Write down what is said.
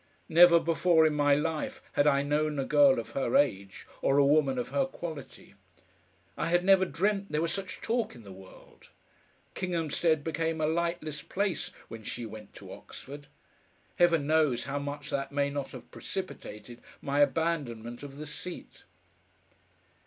Never before in my life had I known a girl of her age, or a woman of her quality. I had never dreamt there was such talk in the world. Kinghamstead became a lightless place when she went to Oxford. Heaven knows how much that may not have precipitated my abandonment of the seat!